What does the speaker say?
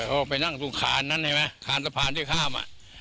ก็ไปนั่งตรงขานนั้นเห็นไหมขานสะพานที่ข้าม